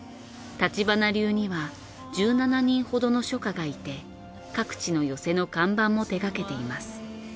橘流には１７人ほどの書家がいて各地の寄席の看板も手がけています。